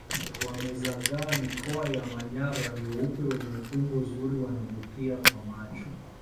Wamezagaa mikoa ya manyara ni weupe wenye umbo zuri wanavutia kwa macho